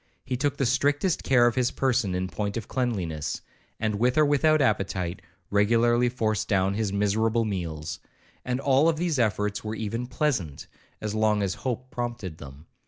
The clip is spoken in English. He took the strictest care of his person in point of cleanliness, and with or without appetite, regularly forced down his miserable meals; and all these efforts were even pleasant, as long as hope prompted them.